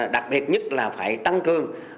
đặc biệt nhất là phải tăng cường